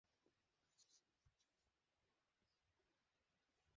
সবকিছুই পূর্বপরিকল্পিত এবং নভোচারীদের নিজ নিজ কাজ ধাপে ধাপে সম্পন্ন করতে হয়।